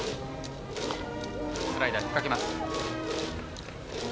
スライダー引っかけます。